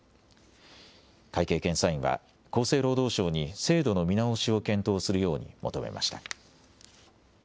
会計検査院は厚生労働省に制度の見直しを検討するように求めました。